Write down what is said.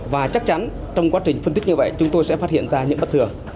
và chắc chắn trong quá trình phân tích như vậy chúng tôi sẽ phát hiện ra những bất thường